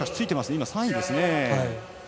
今、３位ですね。